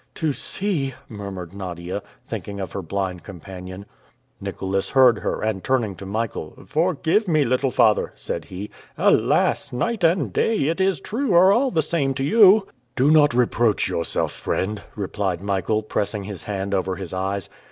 "To see!" murmured Nadia, thinking of her blind companion. Nicholas heard her, and turning to Michael, "Forgive me, little father," said he. "Alas! night and day, it is true, are all the same to you!" "Do not reproach yourself, friend," replied Michael, pressing his hand over his eyes.